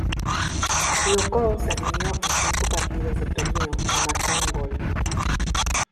Loko se alineó en cinco partidos del torneo y marcó un gol.